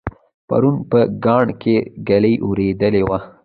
پرون په کاڼ کې ږلۍ اورېدلې وه